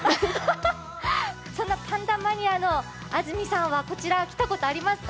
そんなパンダマニアの安住さんはこちら、来たことありますか？